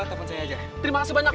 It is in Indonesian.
terima kasih banyak pak